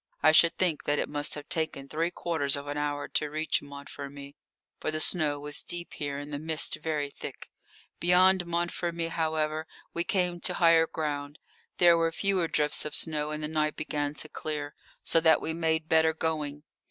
I should think that it must have taken three quarters of an hour to reach Montfermeil, for the snow was deep here and the mist very thick. Beyond Montfermeil, however, we came to higher ground; there were fewer drifts of snow, and the night began to clear, so that we made better going.